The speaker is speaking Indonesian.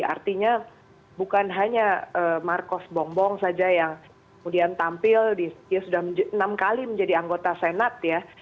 artinya bukan hanya marcos bongbong saja yang kemudian tampil dia sudah enam kali menjadi anggota senat ya